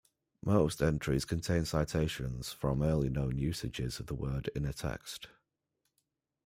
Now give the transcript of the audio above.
Most entries contain citations from early known usages of the word in a text.